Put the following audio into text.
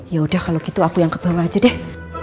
yaudah kalau gitu aku yang ke bawah aja deh